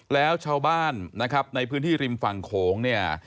แล้วชาวบ้านนะครับในพื้นที่ริมฝั่งโขงเนี่ย